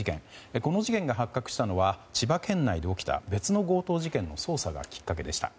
この事件が発覚したのは千葉県内で起きた別の強盗事件の捜査がきっかけでした。